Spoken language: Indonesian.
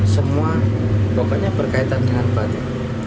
semua pokoknya berkaitan dengan batu